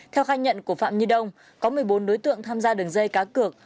theo khai nhận của phạm nhi đông có một mươi bốn đối tượng tham gia đường dây cá cược